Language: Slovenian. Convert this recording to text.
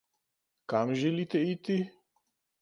Kam želite iti?